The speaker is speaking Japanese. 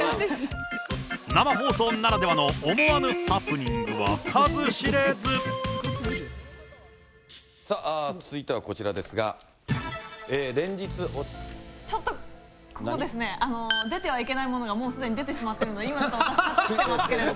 生放送ならではの思わぬハプさあ、続いてはこちらですが、ちょっと、あのですね、出てはいけないものがもうすでに出てしまっているので、今、隠してますけど。